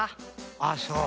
ああそう。